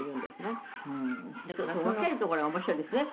「分けるところが面白いですね